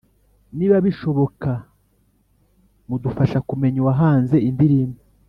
Niba bishoboka mudufasha kumenya uwahanze indirimbo